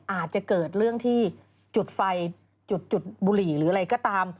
อาจจะเกิดเรื่องที่จุดไฟจุดบุหรี่หรืออะไรก็ตาม